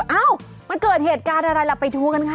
เอ้ามันเกิดเหตุการณ์อะไรล่ะไปดูกันค่ะ